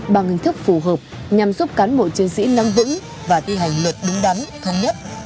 bằng hình thức phù hợp nhằm giúp cán bộ chiến sĩ nâng vững và thi hành luật đúng đắn thống nhất